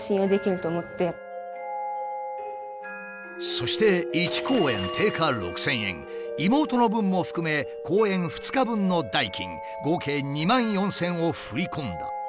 そして１公演定価６，０００円妹の分も含め公演２日分の代金合計２万４，０００円を振り込んだ。